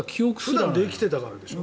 普段できてたからでしょ。